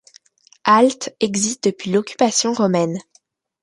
Alte existe depuis l'occupation romaine.